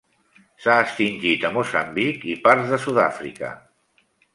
S'ha extingit a Moçambic i parts de Sud-àfrica.